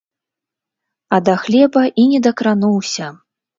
А да хлеба і не дакрануўся.